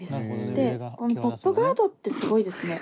でこのポップガードってすごいですね。